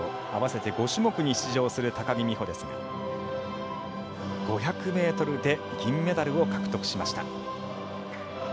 あわせて５種目に出場する高木美帆ですが５００ｍで銀メダルを獲得しました。